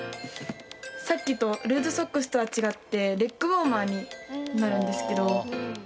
さっきとルーズソックスとは違ってレッグウォーマーになるんですけど。